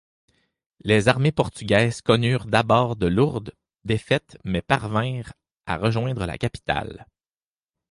Les armées portugaises connurent d'abord de lourdes défaites mais parvinrent à rejoindre la capitale.